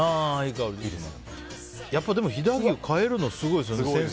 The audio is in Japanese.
でも飛騨牛買えるのすごいですよね。